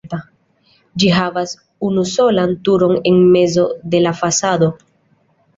Ĝi havas unusolan turon en mezo de la fasado.